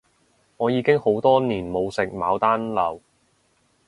我已經好多年冇食牡丹樓